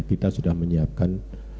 kita sudah menyiapkan